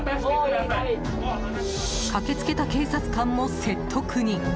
駆けつけた警察官も説得に。